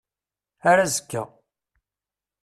Ar azekka.